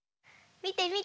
みてみて。